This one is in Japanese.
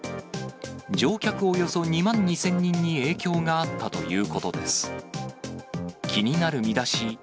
乗客およそ２万２０００人に影響があったということです。